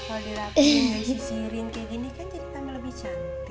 kalau dirapiin dan sisirin kayak gini kan jadi kamu lebih cantik